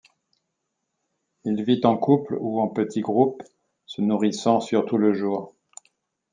Il vit en couples ou en petits groupes se nourrissant surtout le jour.